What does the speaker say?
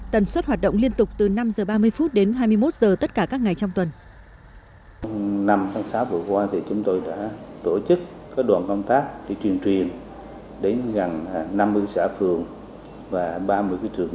tần suất hoạt động liên tục từ năm h ba mươi đến hai mươi một h tất cả các ngày trong tuần